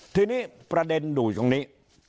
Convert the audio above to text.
ทีนี้ประเด็นอยู่ตรงนี้